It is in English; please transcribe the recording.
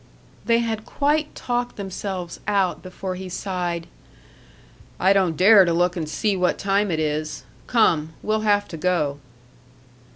They had quite talked themselves out before he sighed: "I don't dare to look and see what time it is. Come, we'll have to go."